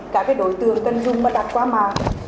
các cái đối tượng cân dung và đặt qua màng